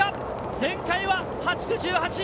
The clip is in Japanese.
前回は８区１８位。